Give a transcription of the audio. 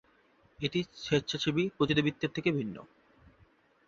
এটি স্বেচ্ছাসেবী পতিতাবৃত্তির থেকে ভিন্ন।